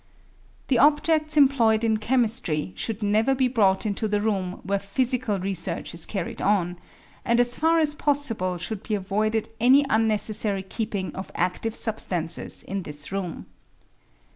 The objeds emploved in chemistry should never be brought into the room where physical research is carried on, and as far as possible should be avoided any un necessary keeping of adive substances in this room.